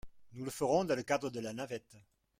Nous le ferons dans le cadre de la navette.